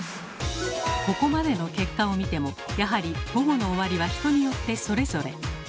ここまでの結果を見てもやはり「午後の終わり」は人によってそれぞれ。